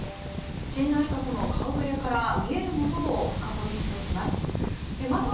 新内閣の顔ぶれから見えるものを深掘りしていきます。